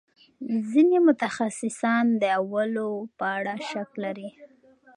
ځینې متخصصان د اولو په اړه شک لري.